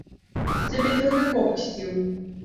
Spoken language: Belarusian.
Цябе дурны поп ксціў!